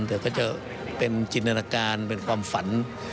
แต่ก็จะเป็นจินตนาการเป็นความฝัน